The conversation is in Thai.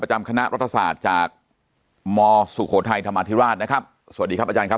ประจำคณะรัฐศาสตร์จากมสุโขทัยธรรมาธิราชนะครับสวัสดีครับ